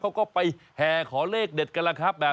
เขาก็ไปแห่ขอเลขเด็ดกันแบบนี้